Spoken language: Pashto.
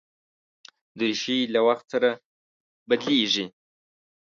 دریشي له وخت سره بدلېږي.